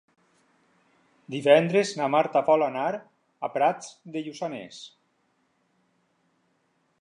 Divendres na Marta vol anar a Prats de Lluçanès.